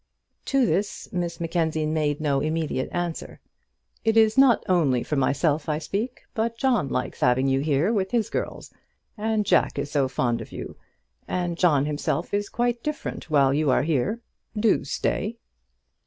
To this Miss Mackenzie made no immediate answer. "It is not only for myself I speak, but John likes having you here with his girls; and Jack is so fond of you; and John himself is quite different while you are here. Do stay!"